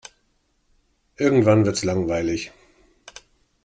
Irgendwann wird's langweilig.